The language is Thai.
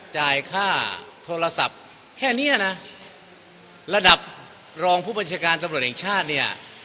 จ่ายค่าโทรศัพท์แค่เนี้ยนะระดับรองผู้บัญชาการตำรวจแห่งชาติเนี่ย